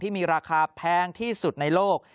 มีราคาแพงที่สุดในโลก